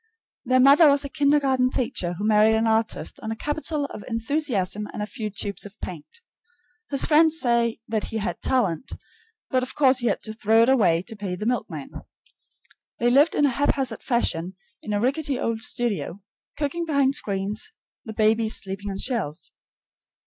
Their mother was a kindergarten teacher who married an artist on a capital of enthusiasm and a few tubes of paint. His friends say that he had talent, but of course he had to throw it away to pay the milkman. They lived in a haphazard fashion in a rickety old studio, cooking behind screens, the babies sleeping on shelves.